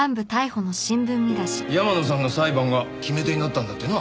山野さんの裁判が決め手になったんだってな。